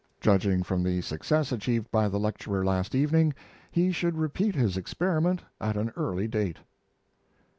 "Judging from the success achieved by the lecturer last evening, he should repeat his experiment at an early date."